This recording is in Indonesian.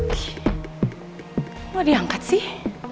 gimana dia angkat sih